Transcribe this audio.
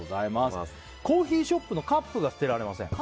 コーヒーショップのカップが捨てられません。